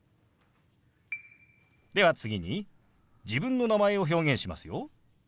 では次に自分の名前を表現しますよ。